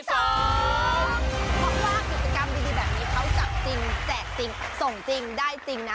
เพราะว่ากิจกรรมดีแบบนี้เขาจับจริงแจกจริงส่งจริงได้จริงนะ